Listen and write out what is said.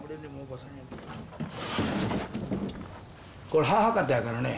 これ母方やからね。